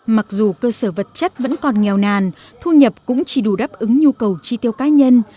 mặc dù cơ sở vật chất vẫn còn nghèo nàn thu nhập cũng chỉ đủ đáp ứng nhu cầu chi tiêu cá nhân